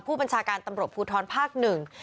ผู้บัญชาการตำรวจภูทรภาคหนึ่ง